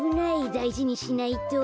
だいじにしないと。